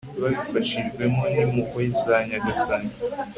babifashijwemo n'impuhwe za nyagasani